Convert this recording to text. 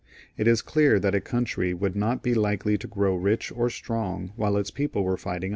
It is clear that a country would not be likely to grow rich or strong while its people were fighting among themselves.